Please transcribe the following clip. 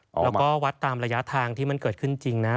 แล้วก็วัดตามระยะทางที่มันเกิดขึ้นจริงนะ